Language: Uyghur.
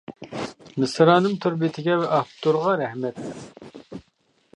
مىسرانىم تور بېتىگە ۋە ئاپتورغا رەھمەت.